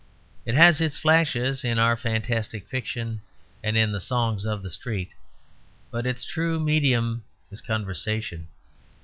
It has its flashes in our fantastic fiction and in the songs of the street, but its true medium is conversation.